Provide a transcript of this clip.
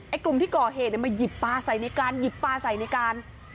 กลุ่มที่ก่อเหตุมาหยิบปลาใส่ในการหยิบปลาใส่ในการ